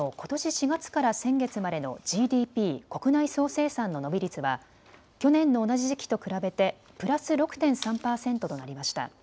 ４月から先月までのＧＤＰ・国内総生産の伸び率は去年の同じ時期と比べてプラス６．３％となりました。